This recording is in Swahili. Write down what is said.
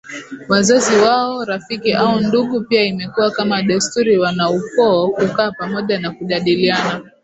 wazazi wao rafiki au ndugu Pia imekuwa kama desturi wanaukoo kukaa pamoja na kujadiliana